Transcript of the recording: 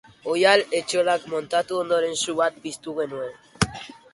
Oihal-etxolak muntatu ondoren su bat piztu genuen.